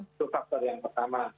itu faktor yang pertama